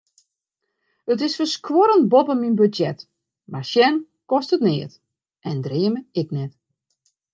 It is ferskuorrend boppe myn budzjet, mar sjen kostet neat en dreame ek net.